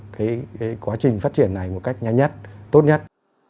cái quá trình phát triển này một cách nhanh nhất tốt nhất